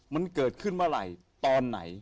มันเกิดขึ้นเมื่อไหร่ตอนไหน